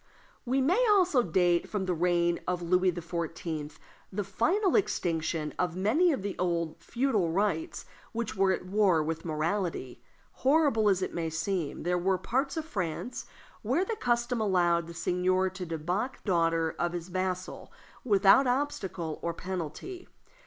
We may also date from the reign of Louis XIV. the final extinction of many of the old feudal rights which were at war with morality. Horrible as it may seem, there were parts of France where the custom allowed the seigneur to debauch the daughter of his vassal without obstacle or penalty.